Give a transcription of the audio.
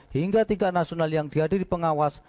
hingga tingkat nasional yang dihadiri pengawas